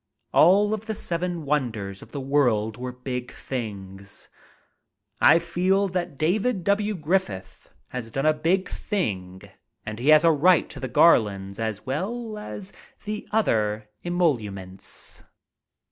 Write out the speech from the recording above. All of the seven wonders of the world were big things. I feel that David W. Griffith has done a big thing and he has a right to the garlands as well as the other emoluments.